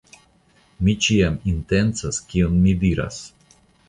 mi ĉiam intencas kion mi diras.